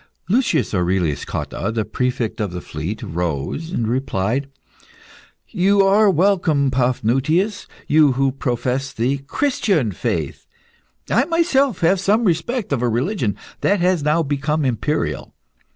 Lucius Aurelius Cotta, the Prefect of the Fleet, rose, and replied "You are welcome, Paphnutius, you who profess the Christian faith. I myself have some respect of a religion that has now become imperial.